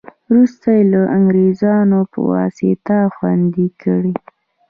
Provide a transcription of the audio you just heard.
وروسته یې د انګرېزانو په واسطه خوندي کړې.